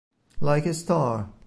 Like a Star